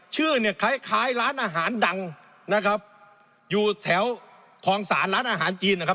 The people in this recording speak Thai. ชื่อเนี่ยคล้ายคล้ายร้านอาหารดังนะครับอยู่แถวคลองศาลร้านอาหารจีนนะครับ